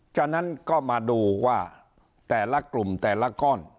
ฉะนั้นก็มาดูว่าแต่ละกลุ่มแต่ละก้อน